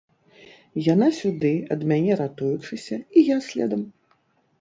Яна сюды, ад мяне ратуючыся, і я следам.